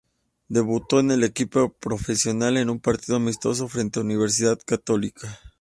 Debutó en el equipo profesional en un partido amistoso frente a Universidad Católica.